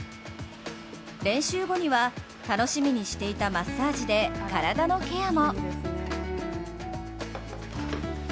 練習後には、楽しみにしていたマッサージで体のケアも。